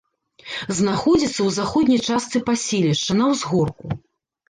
Знаходзіцца ў заходняй частцы паселішча, на ўзгорку.